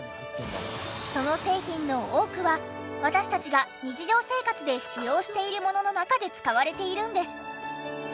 その製品の多くは私たちが日常生活で使用しているものの中で使われているんです。